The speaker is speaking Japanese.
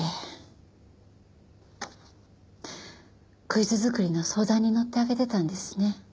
クイズ作りの相談に乗ってあげてたんですね。